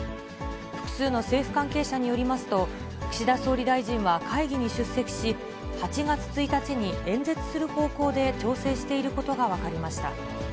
複数の政府関係者によりますと、岸田総理大臣は会議に出席し、８月１日に演説する方向で調整していることが分かりました。